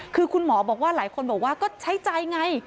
คือคุณหมอบอกว่าหลายคนบอกว่าก็ใช้ใจไง